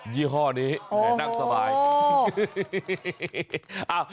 ยี่ห้อนี้นั่งสบายโอ้โห